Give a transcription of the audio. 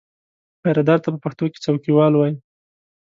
پیرهدار ته په پښتو کې څوکیوال وایي.